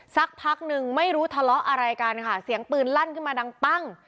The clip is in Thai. สักพักนึงไม่รู้ทะเลาะอะไรกันค่ะเสียงปืนลั่นขึ้นมาดังปั้ง